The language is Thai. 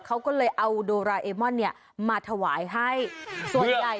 เขาก็เลยเอาโดราเอมอนเนี่ยมาถวายให้ส่วนใหญ่